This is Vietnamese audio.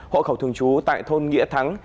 hộ khẩu thường trú tại thôn nghĩa thắng